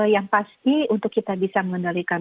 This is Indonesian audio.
yang pasti untuk kita bisa mengendalikan